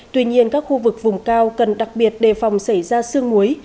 tuy nhiên các khu vực vùng cao cần đặc biệt đề phòng xảy ra sương muối